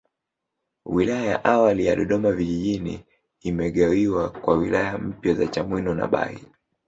Wilaya ya awali ya Dodoma Vijijini imegawiwa kwa wilaya mpya za Chamwino na Bahi